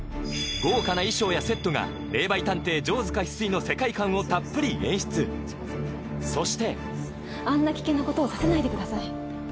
豪華な衣装やセットが『霊媒探偵・城塚翡翠』の世界観をたっぷり演出そしてあんな危険なことをさせないでください。